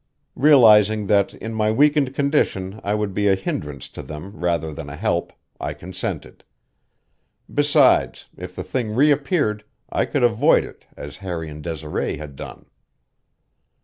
Realizing that in my weakened condition I would be a hindrance to them rather than a help, I consented. Besides, if the thing reappeared I could avoid it as Harry and Desiree had done.